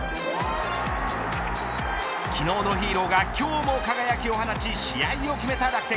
昨日のヒーローが今日も輝きを放ち試合を決めた楽天。